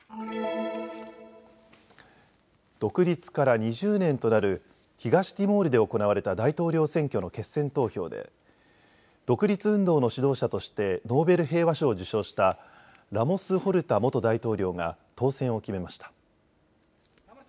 独立から２０年となる東ティモールで行われた大統領選挙の決選投票で独立運動の指導者としてノーベル平和賞を受賞したラモス・ホルタ元大統領が当選を決めました。